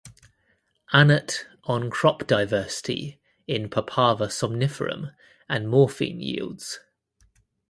Annett on crop diversity in "Papaver somniferum" and morphine yields.